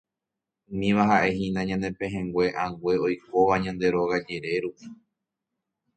Umíva ha'ehína ñane pehẽngue ãngue oikóva ñande róga jere rupi.